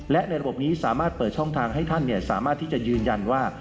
และในระบบนี้สามารถเปิดช่องทางให้ท่านสามารถที่จะยืนยันว่า